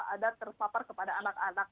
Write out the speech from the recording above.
ada terpapar kepada anak anak